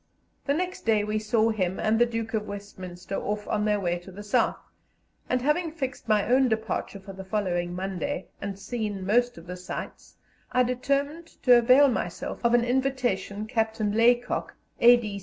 The next day we saw him and the Duke of Westminster off on their way South, and having fixed my own departure for the following Monday, and seen most of the sights, I determined to avail myself of an invitation Captain Laycock, A.